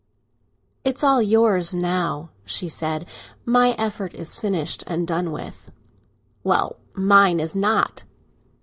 "It's all yours now," she said. "My effort is finished and done with!" "Well, mine is not."